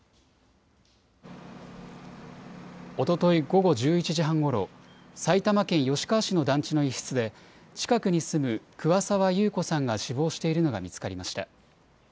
午後１１時半ごろ、埼玉県吉川市の団地の一室で、近くに住む桑沢優子さんが死亡しているのが見つかりました。